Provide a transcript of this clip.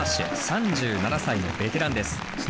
３７歳のベテランです。